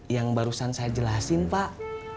yang barusan saya jelasin pak